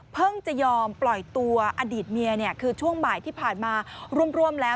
จะยอมปล่อยตัวอดีตเมียคือช่วงบ่ายที่ผ่านมาร่วมแล้ว